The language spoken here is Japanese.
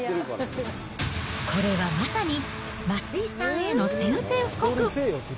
これはまさに、松井さんへの宣戦布告。